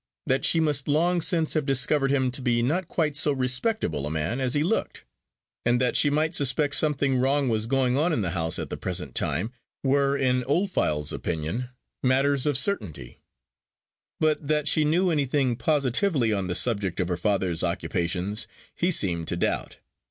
That she must long since have discovered him to be not quite so respectable a man as he looked, and that she might suspect something wrong was going on in the house at the present time, were, in Old File's opinion, matters of certainty; but that she knew anything positively on the subject of her father's occupations, he seemed to doubt.